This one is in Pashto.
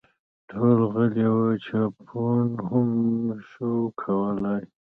ټول غلي وه ، چا بوڼ هم شو کولی !